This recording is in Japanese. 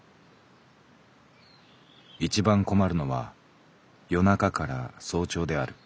いちばん困るのは夜中から早朝である。